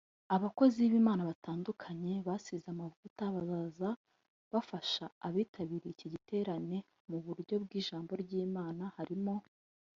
Abakozi b’Imana batandukanye basize amavuta bazaba bafasha abitabiriye iki giterane mu buryo bw’ijambo ry’Imana harimo